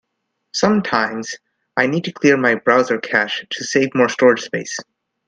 Sometines, I need to clear my browser cache to save more storage space.